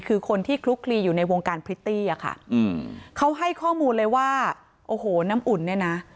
คือคนที่คลุกคลีอยู่ในวงการพริตตี้อะค่ะอืมเขาให้ข้อมูลเลยว่าโอ้โหน้ำอุ่นเนี่ยนะ